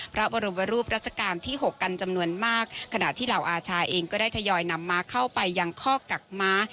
พระบรมรูปรัชกาลที่หกกันจำนวนมากขณะที่เหล่าอาชาเองก็ได้ทยอยนำม้าเข้าไปยังข้อกักม้า